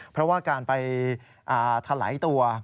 เพราะว่าการไปถลายตัว